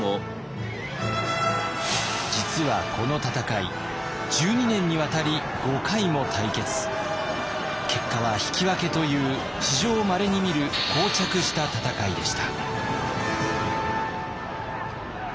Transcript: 実はこの戦い結果は引き分けという史上まれに見る膠着した戦いでした。